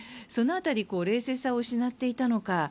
その辺り冷静さを失っていたのか。